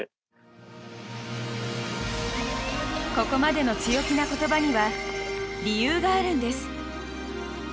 ここまでの強気な言葉には理由があるんです。